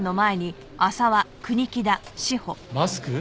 マスク？